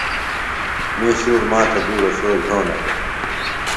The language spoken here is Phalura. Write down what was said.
می شُور ما تھےۡ بِیڈوۡ شو جھونہ دےۡ